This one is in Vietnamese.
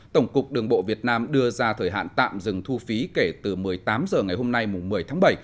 tổng cục đường bộ việt nam đưa ra thời hạn tạm dừng thu phí kể từ một mươi tám h ngày hôm nay một mươi tháng bảy